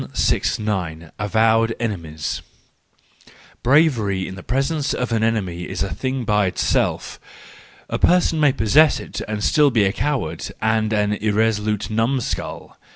Avowed Enemies .—Bravery in presence of an enemy is a thing by itself: a person may possess it and still be a coward and an irresolute num¬ skull.